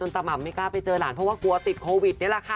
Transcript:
ตาม่ำไม่กล้าไปเจอหลานเพราะว่ากลัวติดโควิดนี่แหละค่ะ